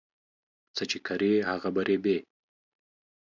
څه چې کرې هغه په رېبې